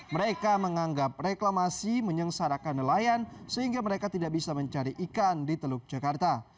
mereka menganggap reklamasi menyengsarakan nelayan sehingga mereka tidak bisa mencari ikan di teluk jakarta